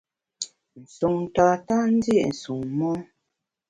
Nsun tata ndi’ nsun mon.